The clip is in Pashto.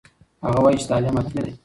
هغه وایي چې تعلیم حتمي دی.